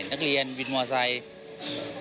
นักเรียนวิทย์มอเตอร์ไซค์